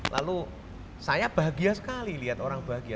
lalu saya bahagia sekali lihat orang bahagia